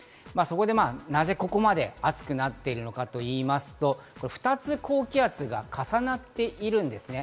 なぜここまで暑くなっているのかといいますと、２つ高気圧が重なっているんですね。